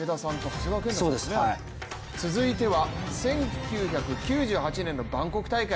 続いては１９９８年のバンコク大会。